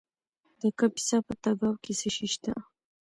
د کاپیسا په تګاب کې څه شی شته؟